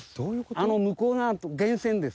あの向こうが源泉です。